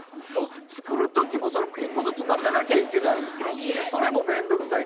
作る時もそれ１個ずつ巻かなきゃいけないしそれも面倒くさい。